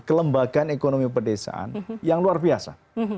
kelembagaan ekonomi pedesaan yang luar biasa